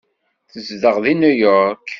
Tezdeɣ deg New York.